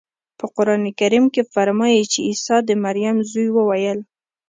په قرانکریم کې فرمایي چې عیسی د مریم زوی وویل.